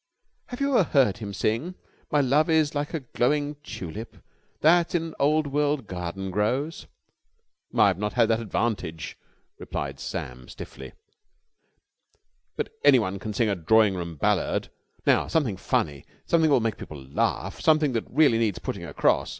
"Have you ever heard him sing 'My love is like a glowing tulip that in an old world garden grows'?" "I have not had that advantage," replied Sam stiffly. "But anyone can sing a drawing room ballad. Now something funny, something that will make people laugh, something that really needs putting across ...